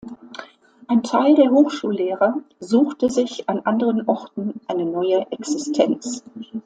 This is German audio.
Ein Teil der Hochschullehrer suchte sich an anderen Orten eine neue Existenz.